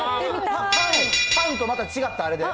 パンとまた違ったあれで？